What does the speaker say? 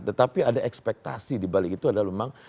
tetapi ada ekspektasi di balik itu adalah memang